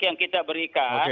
yang kita berikan